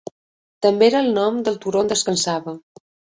També era el nom del turó on descansava.